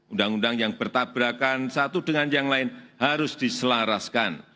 undang undang yang bertabrakan satu dengan yang lain harus diselaraskan